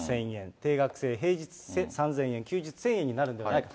定額制で平日３０００円休日１０００円になるのではないか。